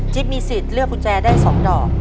มีสิทธิ์เลือกกุญแจได้๒ดอก